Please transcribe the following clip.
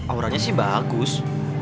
auranya sih bagus